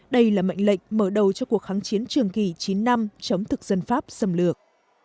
đây là mệnh lệnh mở đầu cho cuộc kháng chiến trường kỳ chín năm chống thực dân pháp xâm lược